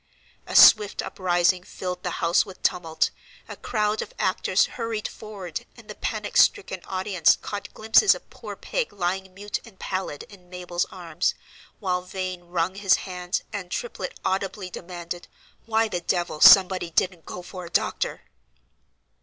A swift uprising filled the house with tumult; a crowd of actors hurried forward, and the panic stricken audience caught glimpses of poor Peg lying mute and pallid in Mabel's arms, while Vane wrung his hands, and Triplet audibly demanded, "Why the devil somebody didn't go for a doctor?"